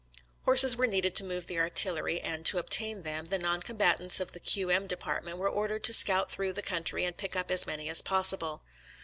♦•* Horses were needed to move the artillery, and, to obtain them, the non combatants of the Q. M. Department were ordered to scout through the country and pick up as many as possible.